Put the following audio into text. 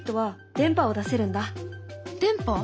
電波？